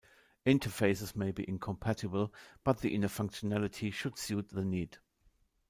Interfaces may be incompatible, but the inner functionality should suit the need.